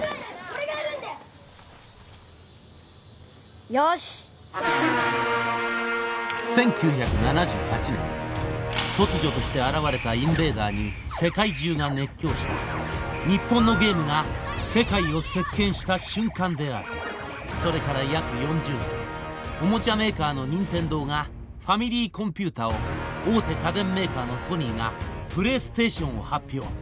俺がやるんだよよし１９７８年突如として現れたインベーダーに世界中が熱狂した日本のゲームが世界を席巻した瞬間であるそれから約４０年おもちゃメーカーの任天堂がファミリーコンピュータを大手家電メーカーのソニーがプレイステーションを発表